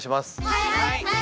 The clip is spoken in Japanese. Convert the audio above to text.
はい！